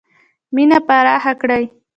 مینه خپره کړئ!